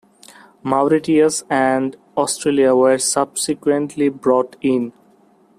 Mauritius and Australia were subsequently brought in.